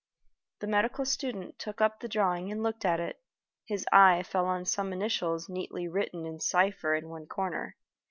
The medical student took up the drawing and looked at it. His eye fell on some initials neatly written in cipher in one corner.